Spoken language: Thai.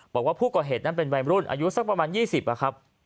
บอกว่าผู้ก่อเหตุเป็นวัยรุ่นอายุประมาณ๒๐อ่ะครับ